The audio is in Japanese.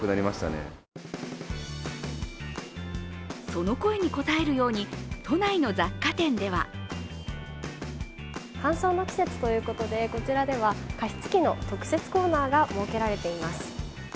その声に応えるように都内の雑貨店では乾燥の季節ということで、こちらでは加湿器の特設コーナーが設けられています。